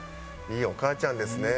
いいお母ちゃんですね。